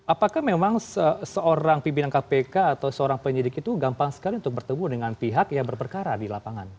apakah memang seorang pimpinan kpk atau seorang penyidik itu gampang sekali untuk bertemu dengan pihak yang berperkara di lapangan